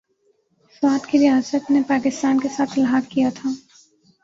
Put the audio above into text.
سوات کی ریاست نے پاکستان کے ساتھ الحاق کیا تھا ۔